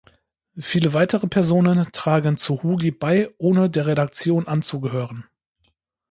Viele weitere Personen tragen zu Hugi bei, ohne der Redaktion anzugehören.